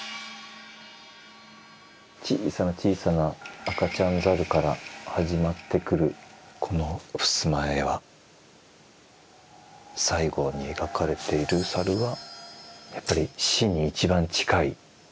小さな小さな赤ちゃん猿から始まってくるこの襖絵は最後に描かれている猿はやっぱり死に一番近い。